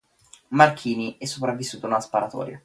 Marchini è sopravvissuto a una sparatoria.